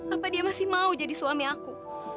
apa dia masih mau jadi suami aku